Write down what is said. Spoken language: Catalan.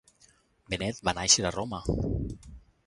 Benet va néixer a Roma.